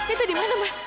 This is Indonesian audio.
itu di mana mas